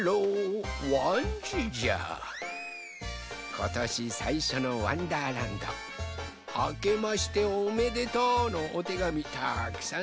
ことしさいしょの「わんだーらんど」あけましておめでとうのおてがみたくさんとどいたぞい。